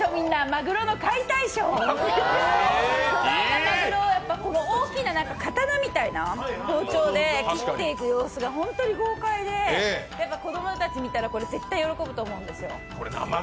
マグロを大きな刀みたいな包丁で切っていく様子が本当に豪快で、子供たち見たら、絶対喜ぶと思うんですよ。